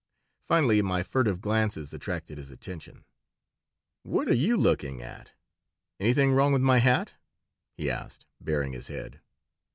Finally my furtive glances attracted his attention "What are you looking at? Anything wrong with my hat?" he asked, baring his head.